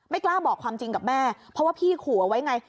กล้าบอกความจริงกับแม่เพราะว่าพี่ขู่เอาไว้ไง